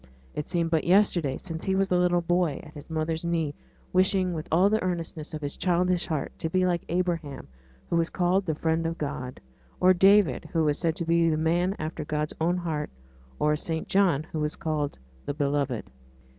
It seemed but yesterday since he was a little boy at his mother's knee, wishing with all the earnestness of his childish heart to be like Abraham, who was called the friend of God, or David, who was said to be the man after God's own heart, or St John, who was called 'the Beloved.'